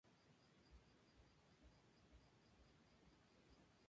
Jorge Ortiz Sotelo.